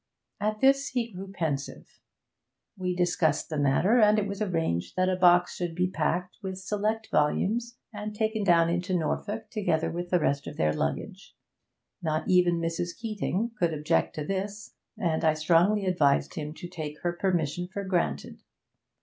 At this he grew pensive. We discussed the matter, and it was arranged that a box should be packed with select volumes and taken down into Norfolk together with the rest of their luggage. Not even Mrs. Keeting could object to this, and I strongly advised him to take her permission for granted.